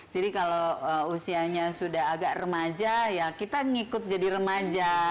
jadi kalau usianya sudah agak remaja ya kita ngikut jadi remaja